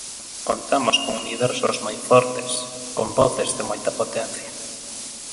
Contamos con universos moi fortes, con voces de moita potencia.